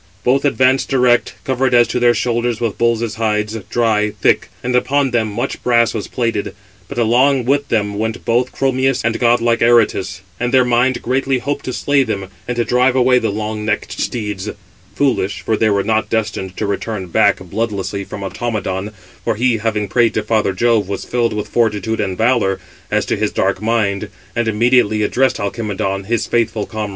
Both advanced direct, covered as to their shoulders with bulls' hides, dry, thick; and upon them much brass was plated. But along with them went both Chromius and god like Aretus: and their mind greatly hoped to slay them, and to drive away the long necked steeds. Foolish, 564 for they were not destined to return back bloodlessly from Automedon, for he, having prayed to father Jove, was filled with fortitude and valour, as to his dark mind, and immediately addressed Alcimedon, his faithful comrade: Footnote 564: (return) Cf. Æn.